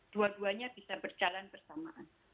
dua duanya bisa berjalan bersamaan